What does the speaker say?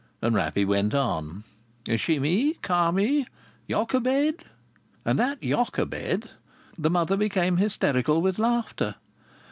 And Rappey went on: Shimi, Carmi, Jochebed. And at Jochebed the mother became hysterical with laughter.